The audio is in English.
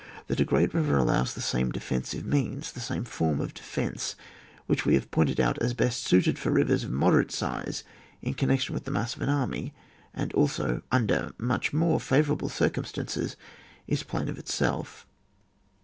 That a great river aUows the same defensive means, the same form of de fence, which we have pointed out as best suited for rivers of a moderate size, in connection with the mass of an army, and also under much more favourable circum stances, is plain of itself.